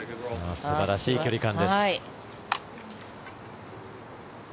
素晴らしい距離感です。